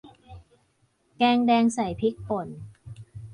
แกงแดงใส่พริกป่น